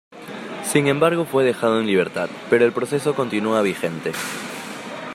Sin embargo fue dejado en libertad pero el proceso continua vigente.